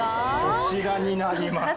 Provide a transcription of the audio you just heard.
こちらになります。